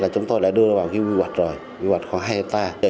chúng tôi đã đưa vào quy hoạch rồi quy hoạch khoảng hai hectare